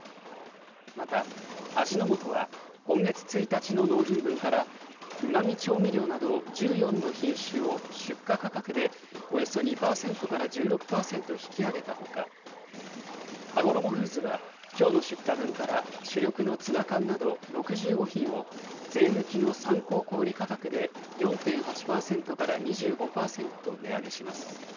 また、味の素は今月１日の納品分から、うま味調味料など１４の品種を、出荷価格でおよそ２％から１６％引き上げたほか、はごろもフーズは、きょうの出荷分から主力のツナ缶など６５品を、税抜きの参考小売り価格で４．８％から２５％値上げします。